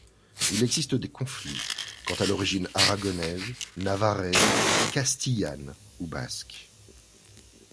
Il existe des conflits quant à l'origine aragonaise, navarraise, castillanne ou basque.